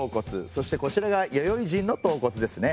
そしてこちらが弥生人の頭骨ですね。